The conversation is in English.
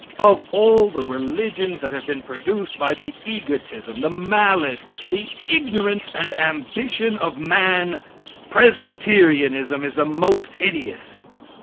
Of all the religions that have been produced by the egotism, the malice, the ignorance and ambition of man, Presbyterianism is the most hideous.